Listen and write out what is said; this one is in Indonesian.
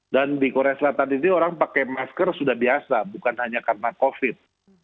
dan di korea selatan itu orang pakai masker sudah biasa bukan hanya karena covid